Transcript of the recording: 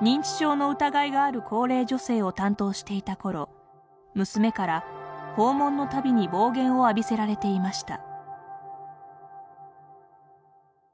認知症の疑いがある高齢女性を担当していたころ娘から訪問のたびに暴言を浴びせられていました。